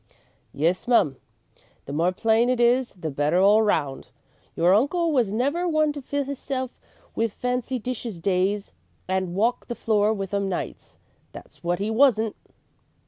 "Yes, mum. The more plain it is the better all around. Your uncle was never one to fill hisself with fancy dishes days and walk the floor with 'em nights, that's wot 'e wasn't."